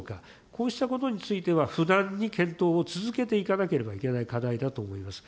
こうしたことについては、不断に検討を続けていかなければいけない課題だと思います。